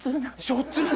しょっつる！